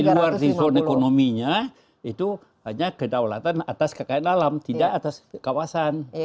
di luar riskal ekonominya itu hanya kedaulatan atas kekayaan alam tidak atas kawasan